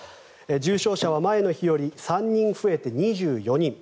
重症者は前の日より３人増えて２４人。